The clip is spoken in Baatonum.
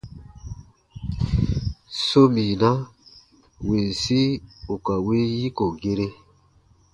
Sominaa winsi ù ka win yiko gere.